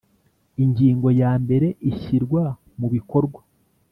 Ingingo ya mbere Ishyirwa mu bikorwa